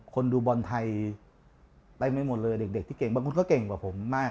คนดูบอลไทยไปไม่หมดเลยเด็กที่เก่งบางคนก็เก่งกว่าผมมาก